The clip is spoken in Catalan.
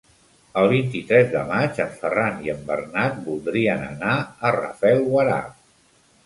El vint-i-tres de maig en Ferran i en Bernat voldrien anar a Rafelguaraf.